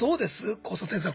交差点さん。